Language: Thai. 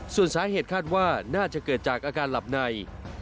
ส่วนสาเหตุคาดว่าน่าจะเกิดจากอาการหลับใน